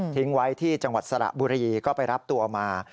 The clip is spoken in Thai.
ไว้ที่จังหวัดสระบุรีก็ไปรับตัวมา